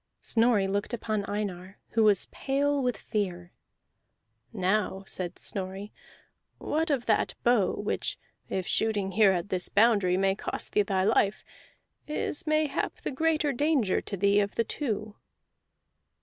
Snorri looked upon Einar, who was pale with fear. "Now," said Snorri, "what of that bow which, if shooting here at this boundary may cost thee thy life, is mayhap the greater danger to thee of the two?"